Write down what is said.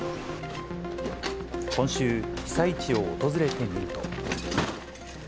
今週、被災地を訪れてみると。